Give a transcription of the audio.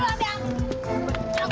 diam diam diam